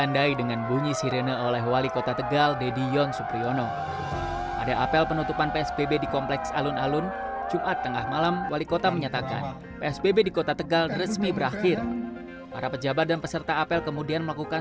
dan saya akhiri